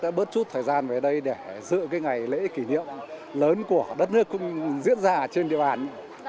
đã bớt chút thời gian về đây để dựa ngày lễ kỷ niệm lớn của đất nước diễn ra trên địa bàn